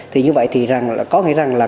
thì như vậy thì có nghĩa rằng là